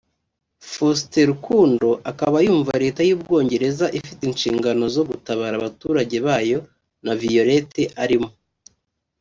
Faustin Rukundo akaba yumva Leta y’Ubwongereza ifite inshingano zo gutabara abaturage bayo na Violette arimo